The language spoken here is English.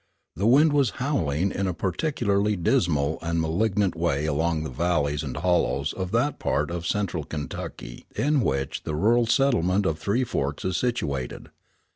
The wind was howling in a particularly dismal and malignant way along the valleys and hollows of that part of Central Kentucky in which the rural settlement of Three Forks is situated.